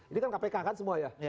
ini kan kpk kan semua ya